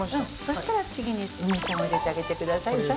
そしたら次に梅ちゃんを入れてあげてください